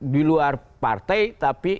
di luar partai tapi